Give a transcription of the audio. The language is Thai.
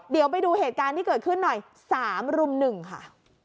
เดี๋ยวไปดูเหตุการณ์ที่เกิดขึ้นหน่อย๓รุ่ม๑ค่ะ